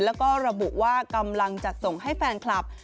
แล้วก็ระบุว่ากำลังจัดส่งให้แฟนคลับ